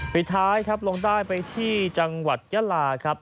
ปีท้ายลงได้ไปที่จังหวัดยาลาครับ